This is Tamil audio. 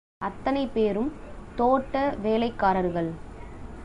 அத்தனை பேரும் தோட்ட வேலைக்காரர்கள்.